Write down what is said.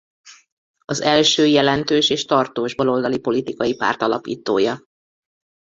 Az első jelentős és tartós baloldali politikai párt alapítója.